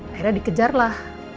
akhirnya dikejar lah